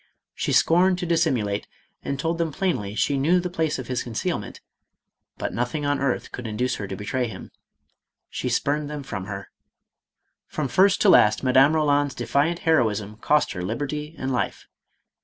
She scorned to dissimulate and told them plainly she knew the place of his concealment, but nothing on earth could induce her to betray him ; she spurned them from her. From first to last Madame Eoland's defiant heroism cost her liberty and life.